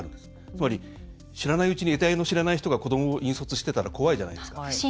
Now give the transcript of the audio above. つまり、知らないうちにえたいの知れない人が子どもを引率してたら怖いじゃないですか。